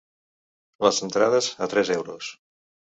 Les entrades, a tres euros.